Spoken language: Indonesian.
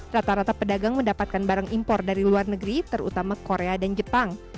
rata rata pedagang mendapatkan barang impor dari luar negeri terutama korea dan jepang